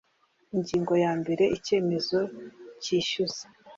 Ingingo ya mbere Icyemezo cyishyuza